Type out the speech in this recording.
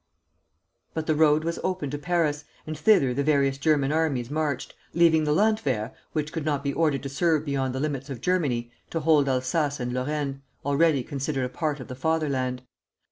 But the road was open to Paris, and thither the various German armies marched, leaving the Landwehr, which could not be ordered to serve beyond the limits of Germany, to hold Alsace and Lorraine, already considered a part of the Fatherland.